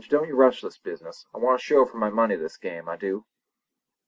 Don't you rush this business! I want a show for my money this game—I du!"